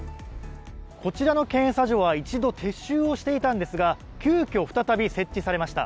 こちらの検査所は一度、撤収をしていたんですが急きょ、再び設置されました。